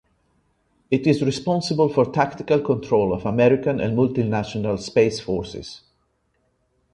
It is responsible for tactical control of American and multinational space forces.